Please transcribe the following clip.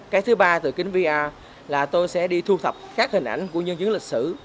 cái thứ ba từ kính vr là tôi sẽ đi thu thập các hình ảnh của nhân chứng lịch sử